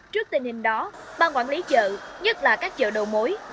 trước tình hình đó bang quản lý chợ nhất là các chợ đầu mối